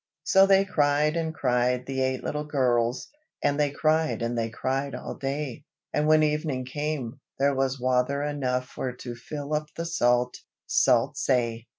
So they cried and cried, the eight little gurrls, And they cried and they cried all day, And when evening came, there was wather enough For to fill up the salt, salt say!